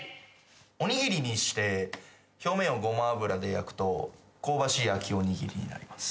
おにぎりにして表面をごま油で焼くと香ばしい焼きおにぎりになります。